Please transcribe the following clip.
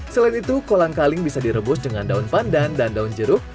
selain itu kolang kaling bisa direbus dengan daun pandan dan daun jeruk